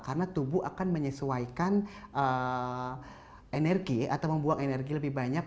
karena tubuh akan menyesuaikan energi atau membuang energi lebih banyak